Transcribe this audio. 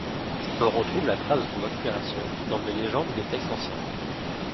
On retrouve la trace de son inspiration dans des légendes ou des textes anciens.